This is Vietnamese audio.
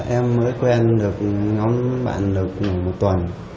em mới quên được ngón bạn được một tuần